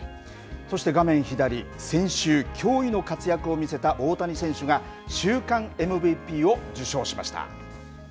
そして、画面左、先週、驚異の活躍を見せた大谷選手が、週間ＭＶＰを受賞しました。